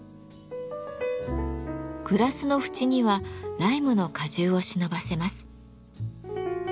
グラスの縁にはライムの果汁をしのばせます。